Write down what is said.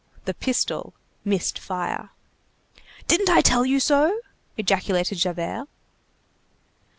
The pistol missed fire. "Didn't I tell you so!" ejaculated Javert.